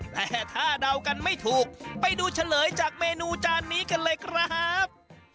แต่ถ้าเดากันไม่ถูกไปดูเฉลยจากเมนูจานนี้กันเลยครับ